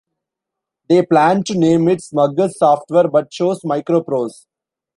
They planned to name it Smugger's Software, but chose MicroProse.